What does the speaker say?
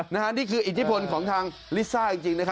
นี่คืออิทธิพลของทางลิซ่าจริง